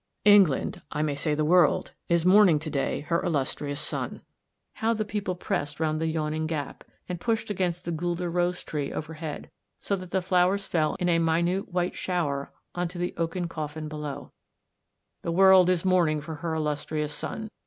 " England, I may say the world, is mourn ing to day for her illustrious son" — how the people pressed round the yawning gap, and pushed against the guelder rose tree overhead, so that the flowers fell iu a minute white shower on to the oaken coflin below —" Eng land is mourning for her illustrious son.